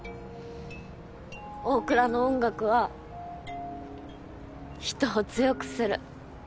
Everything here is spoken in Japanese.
大倉の音楽は人を強くする。